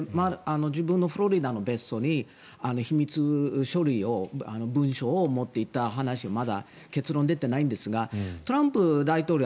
自分のフロリダの別荘に秘密書類、文書を持って行った話まだ結論が出ていないんですがトランプ大統領